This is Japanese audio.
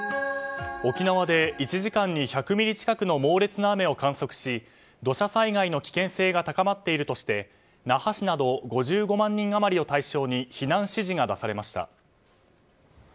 沖縄で１時間に１００ミリ近くの猛烈な雨を観測し、土砂災害の危険性が高まっているとして那覇市など５５万人余りを対象に避難指示が出されました。